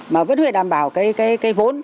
mà vẫn phải đảm bảo cái vốn